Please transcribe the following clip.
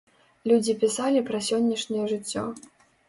Людзі пісалі пра сённяшняе жыццё.